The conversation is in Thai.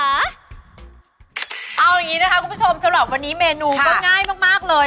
เอาอย่างนี้นะคะคุณผู้ชมสำหรับวันนี้เมนูก็ง่ายมากเลย